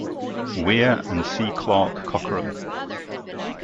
Weir and C. Clark Cockerham.